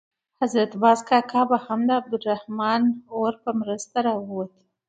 حضرت باز کاکا به هم د عبدالرحمن اور په مرسته راووت.